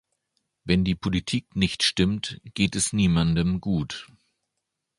Wenn die Politik nicht stimmt, geht es niemandem gut.